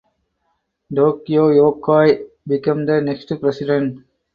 Tokio Yokoi became the next president.